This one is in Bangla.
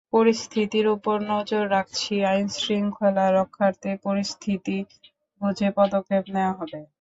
পরিস্থিতির ওপর নজর রাখছি, আইনশৃঙ্খলা রক্ষার্থে পরিস্থিতি বুঝে পদক্ষেপ নেওয়া হবে।